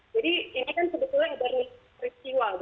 jadi ini kan sebetulnya berisiko peristiwa